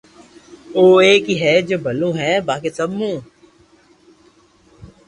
او ايڪ ھي جو ڀلو ھو باقي سب مون